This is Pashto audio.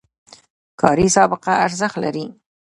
کاري سابقه ارزښت لري